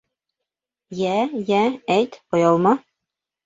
Йә, йә, әйт... оялма...